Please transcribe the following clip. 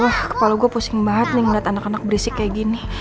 wah kalau gue pusing banget nih ngeliat anak anak berisik kayak gini